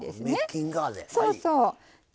そうそう。